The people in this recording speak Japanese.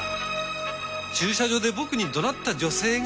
駐車場で僕にどなった女性が。